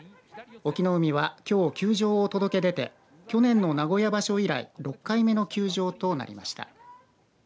隠岐の海はきょう、休場を届け出て去年の名古屋場所以来６回目の休場となりました。